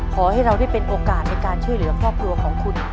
ขอให้เราได้เป็นโอกาสในการช่วยเหลือครอบครัวของคุณ